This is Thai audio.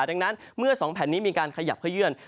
ดังนั้นเมื่อ๒แผ่นนี้มีการขยับขยื่น